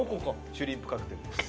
・シュリンプカクテルです。